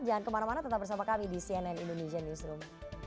jangan kemana mana tetap bersama kami di cnn indonesian newsroom